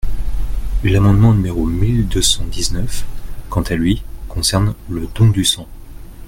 L’amendement numéro mille deux cent dix-neuf, quant à lui, concerne le don du sang.